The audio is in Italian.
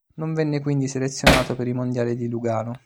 Non venne quindi selezionato per i mondiali di Lugano.